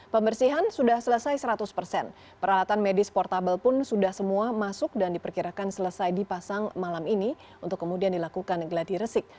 pembersihan sudah selesai seratus persen peralatan medis portable pun sudah semua masuk dan diperkirakan selesai dipasang malam ini untuk kemudian dilakukan gladi resik